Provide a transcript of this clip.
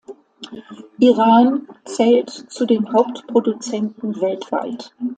Iran zählt zu den Hauptproduzenten weltweit.